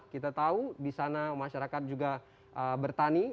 kita tahu di sana masyarakat juga bertani